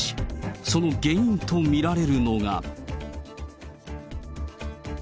その原因と見られるのが。